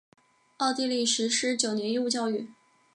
奥地利实施九年义务教育。